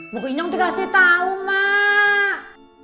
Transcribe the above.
maka inyong dikasih tau mak